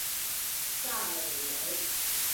萨韦雷。